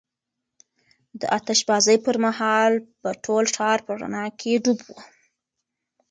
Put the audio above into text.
د آتش بازۍ پر مهال به ټول ښار په رڼا کې ډوب و.